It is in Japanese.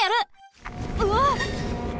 うわっ！